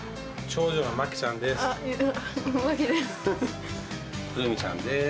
長女のまきちゃんです。